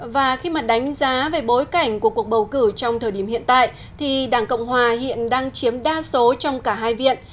và khi mà đánh giá về bối cảnh của cuộc bầu cử trong thời điểm hiện tại thì đảng cộng hòa hiện đang chiếm đa số trong cả hai viện